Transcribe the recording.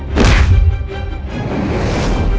aku bisa tamat di tangannya